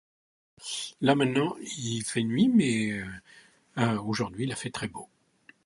Là maintenant, il fait nuit mais aujourd'hui, il a fait très beau.